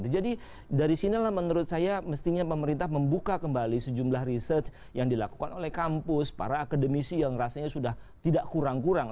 jadi dari sinilah menurut saya mestinya pemerintah membuka kembali sejumlah research yang dilakukan oleh kampus para akademisi yang rasanya sudah tidak kurang kurang